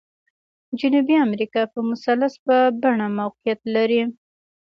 جنوبي امریکا په مثلث په بڼه موقعیت لري.